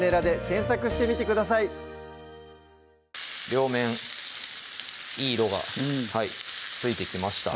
両面いい色がついてきました